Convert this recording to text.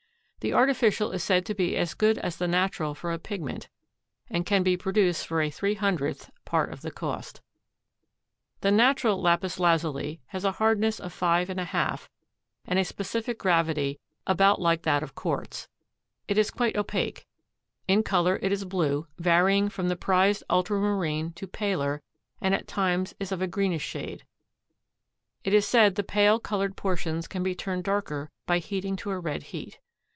The artificial is said to be as good as the natural for a pigment and can be produced for a three hundredth part of the cost. The natural lapis lazuli has a hardness of 5½ and a specific gravity about like that of quartz. It is quite opaque. In color it is blue, varying from the prized ultramarine to paler, and at times is of a greenish shade. It is said the pale colored portions can be turned darker by heating to a red heat.